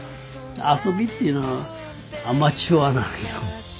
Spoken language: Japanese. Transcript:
遊びっていうのはアマチュアなんよ。